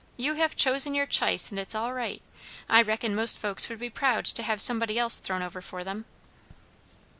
You have chosen your ch'ice, and it's all right. I reckon most folks would be proud to have somebody else thrown over for them."